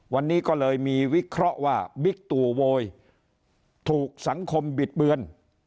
วันนี้ก็เลยมีวิเคราะห์ว่าบิ๊กตู่โวยถูกสังคมบิดเบือน